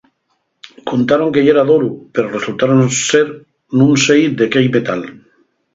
Cuntaron que yeran d'oru pero resultaron ser nun sei de quei metal.